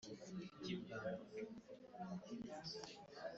Ingingo ya mbere Iyemeza ry inzego z imirimo